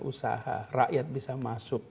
usaha rakyat bisa masuk